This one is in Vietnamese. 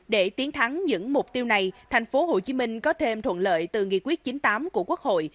để tiến thắng những mục tiêu này thành phố hồ chí minh có thêm thuận lợi từ nghị quyết chín mươi tám của quốc hội